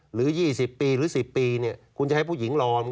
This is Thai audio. หรือยี่สิบปีหรือสิบปีเนี้ยคุณจะให้ผู้หญิงรอ